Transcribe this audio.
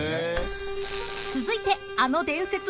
［続いて］